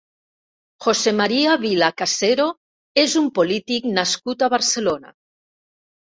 Jose Maria Vila Casero és un polític nascut a Barcelona.